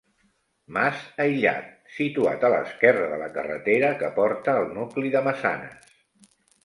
Mas aïllat, situat a l'esquerra de la carretera que porta al nucli de Massanes.